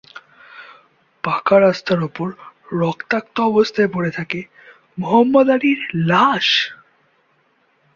পাকা রাস্তার ওপর রক্তাক্ত অবস্থায় পড়ে থাকে মোহাম্মদ আলীর লাশ।